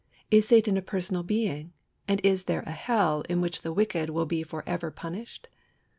Is Satan a personal being, and is there a Hell in which the wicked will be for ever punished?